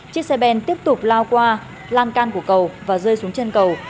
chiếc xe ben tiếp tục lao qua lan can của cầu và rơi xuống chân cầu